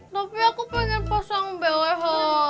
tapi aku pengen pasang bwh